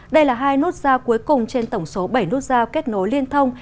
đây là hai nút giao cuối cùng trên tổng số bảy nút giao kết nối liên thông